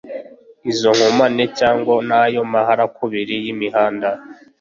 izo nkomane cyangwa n'ayo maharakubiri y'imihanda.